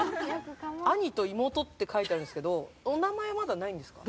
兄と妹って書いてあるんですけど、名前はまだないんですか？